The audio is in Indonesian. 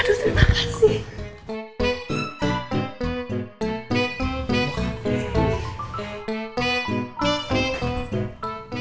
aduh terima kasih